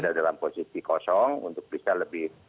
berada dalam posisi kosong untuk bisa lebih